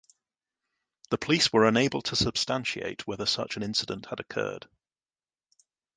The police were unable to substantiate whether such an incident had occurred.